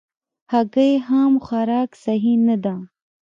هګۍ خام خوراک صحي نه ده.